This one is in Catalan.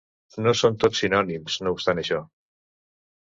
No són tots sinònims, no obstant això.